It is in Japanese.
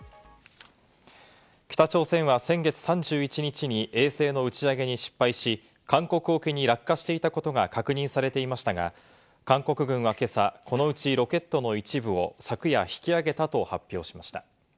北朝鮮は先月３１日に衛星の打ち上げに失敗し、韓国沖に落下していたことが確認されていましたが、韓国軍は今朝、このうちロケットの一部を昨夜、引き揚げたと発表しました。